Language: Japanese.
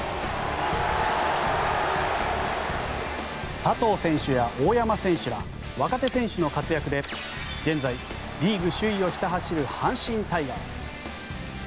佐藤選手や大山選手ら若手選手の活躍で現在、リーグ首位をひた走る阪神タイガース。